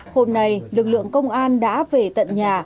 hôm nay lực lượng công an đã về tận nhà